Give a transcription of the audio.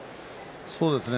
そうですね。